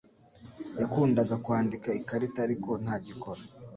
Yakundaga kwandika ikarita, ariko ntagikora.